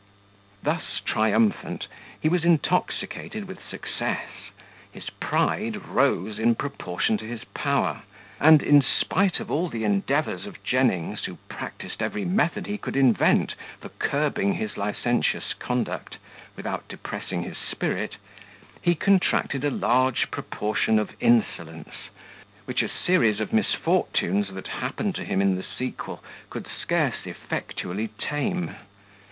Thus triumphant, he was intoxicated with success: his pride rose in proportion to his power and, in spite of all the endeavours of Jennings, who practised every method he could invent for curbing his licentious conduct, without depressing his spirit, he contracted a large proportion of insolence, which series of misfortunes that happened to him in the sequel could scarce effectually tame.